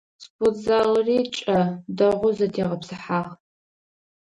Спортзалыри кӏэ, дэгъоу зэтегъэпсыхьагъ.